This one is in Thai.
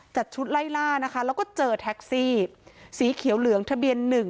จัดชุดไล่ล่านะคะแล้วก็เจอแท็กซี่สีเขียวเหลืองทะเบียนหนึ่ง